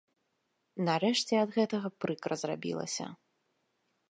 Нарэшце ад гэтага прыкра зрабілася.